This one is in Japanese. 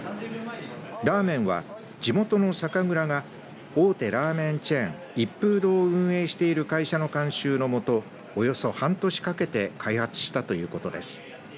ラーメンは地元の酒蔵が大手ラーメンチェーン一風堂を運営している会社の監修の下およそ半年かけて開発したということです。